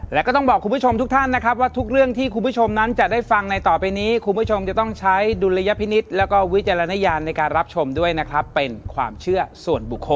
แล้วก็ต้องบอกคุณผู้ชมทุกท่านนะครับว่าทุกเรื่องที่คุณผู้ชมนั้นจะได้ฟังในต่อไปนี้คุณผู้ชมจะต้องใช้ดุลยพินิษฐ์แล้วก็วิจารณญาณในการรับชมด้วยนะครับเป็นความเชื่อส่วนบุคคล